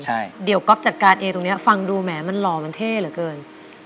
ใช่เดี๋ยวก๊อฟจัดการเองตรงนี้ฟังดูแหมมันหล่อมันเท่เหลือเกิน